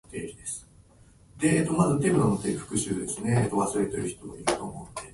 誰かと文章被ると提出できないらしい。